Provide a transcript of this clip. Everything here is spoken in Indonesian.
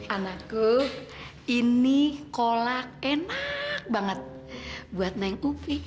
anakku ini kolak enak banget buat naik kupi